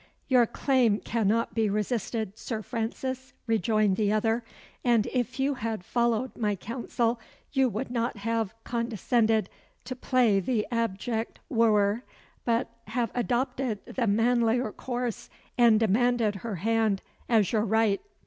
"Your claim cannot be resisted, Sir Francis," rejoined the other; "and if you had followed my counsel, you would not have condescended to play the abject wooer, but have adopted the manlier course, and demanded her hand as your right."